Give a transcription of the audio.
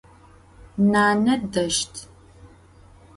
Nane deşt.